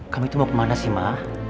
kamu itu mau kemana sih ma